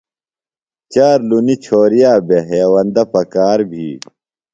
چارلُنی چھوریہ بےۡ، ہیوندہ پکار بھی